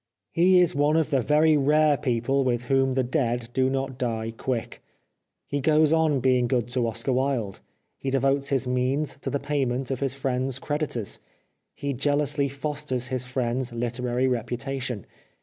He is one of the very rare people with whom the dead do not die quick. He goes on being good to Oscar Wilde. He devotes his means to the payment of his friend's creditors. He jealously fosters his friend's literary reputation.